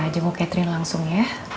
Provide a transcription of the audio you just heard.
jenguk catherine langsung ya